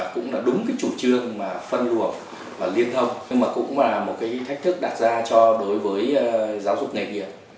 cũng là đúng cái chủ trương mà phân luồng và liên thông nhưng mà cũng là một cái thách thức đặt ra cho đối với giáo dục nghề nghiệp